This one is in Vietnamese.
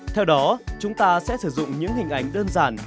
theo đó chúng ta sẽ sử dụng những hình ảnh đơn giản